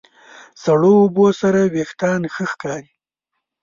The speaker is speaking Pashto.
سړو اوبو سره وېښتيان ښه ښکاري.